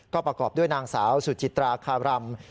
ก็ประกอบด้วยนางสาวสุจิตราคารำ